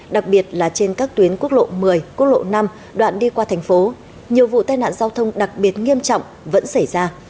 đặc biệt là trên các tuyến quốc lộ một mươi quốc lộ năm đoạn đi qua thành phố nhiều vụ tai nạn giao thông đặc biệt nghiêm trọng vẫn xảy ra